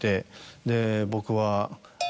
で僕は。